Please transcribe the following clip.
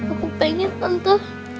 aku pengen tante